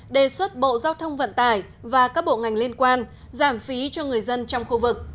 đề xuất bộ giao thông vận tải và các bộ ngành liên quan giảm phí cho người dân trong khu vực